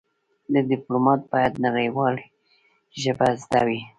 د ډيپلومات بايد نړېوالې ژبې زده وي.